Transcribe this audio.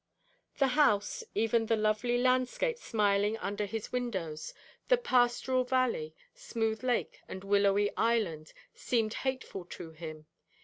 The house, even the lovely landscape smiling under his windows, the pastoral valley, smooth lake and willowy island, seemed hateful to him.